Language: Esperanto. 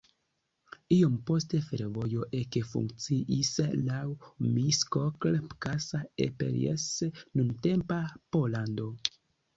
Iom poste fervojo ekfunkciis laŭ Miskolc-Kassa-Eperjes-nuntempa Pollando.